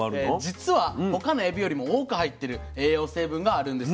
実は他のエビよりも多く入ってる栄養成分があるんです。